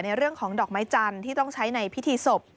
เรื่องของดอกไม้จันทร์ที่ต้องใช้ในพิธีศพ